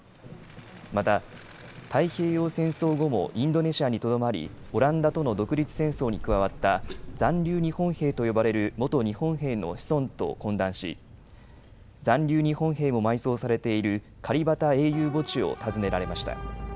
また太平洋戦争後もインドネシアにとどまりオランダとの独立戦争に加わった残留日本兵と呼ばれる元日本兵の子孫と懇談し残留日本兵も埋葬されているカリバタ英雄墓地を訪ねられました。